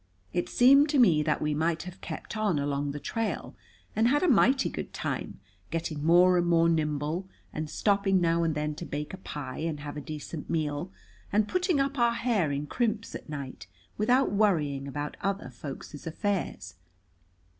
It seemed to me that we might have kept on along the trail and had a mighty good time, getting more and more nimble and stopping now and then to bake a pie and have a decent meal, and putting up our hair in crimps at night, without worrying about other folks' affairs.